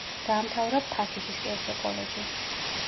დაამთავრა ფათიჰის კერძო კოლეჯი.